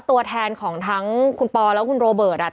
ตัวแทนของทั้งคุณปอแล้วคุณโรเบิร์ตอ่ะ